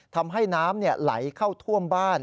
ทำให้น้ำไหลเข้าท่วมบ้าน